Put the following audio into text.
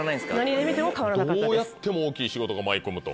どうやっても大きい仕事が舞い込むと。